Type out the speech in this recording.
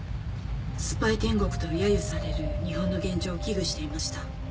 スパイ天国とやゆされる日本の現状を危惧していました。